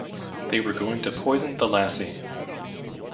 They were going to poison the lassie.